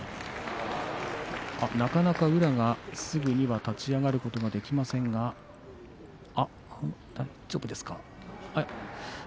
なかなか宇良がすぐには立ち上がることができませんが大丈夫ですか。